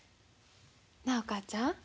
なあお母ちゃん。